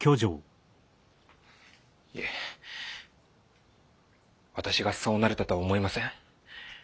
いえ私がそうなれたとは思いません。